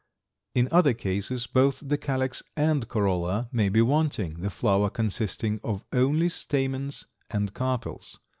In other cases both the calyx and corolla may be wanting, the flower consisting of only stamens and carpels.